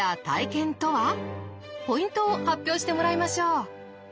ポイントを発表してもらいましょう。